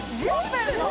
１０分も？